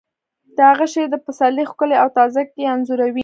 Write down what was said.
د هغه شعر د پسرلي ښکلا او تازه ګي انځوروي